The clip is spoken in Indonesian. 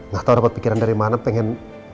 gak tau dapat pikiran dari mana pengen